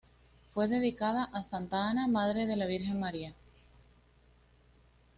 Fue dedicada a Santa Ana madre de la virgen María.